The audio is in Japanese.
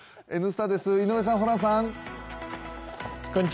「Ｎスタ」です、井上さん、ホランさん。